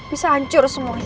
bisa hancur semuanya